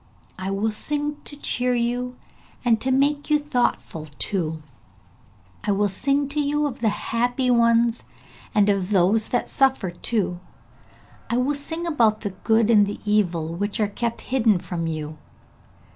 I will sing to cheer you and to make you thoughtful too; I will sing to you of the happy ones, and of those that suffer too. I will sing about the good and the evil, which are kept hidden from you.